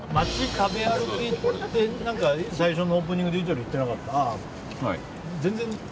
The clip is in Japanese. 食べ歩きって最初のオープニングでイトリ言ってなかった？